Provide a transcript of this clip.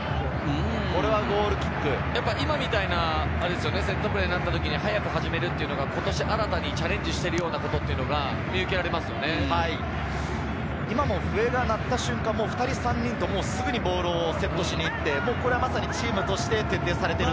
今みたいなセットプレーになった時に早く始めるというのが、今年新たにチャレンジしてい笛が鳴った瞬間、２人、３人とすぐにボールをセットしにいって、チームとして徹底されている。